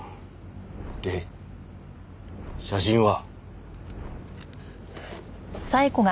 で写真は？